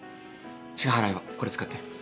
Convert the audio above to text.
支払いはこれ使って。